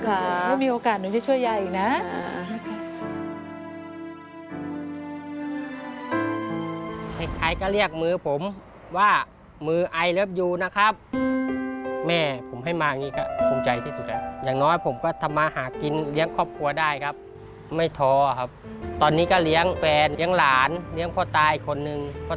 ถ้ามีโอกาสหนูจะช่วยยายอีกนะ